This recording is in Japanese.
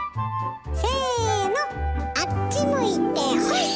せのあっち向いてホイ！